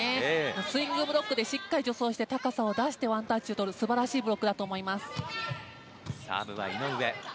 スイングブロックでしっかり助走して高さを出してワンタッチをとる素晴らしいブロックだと思います。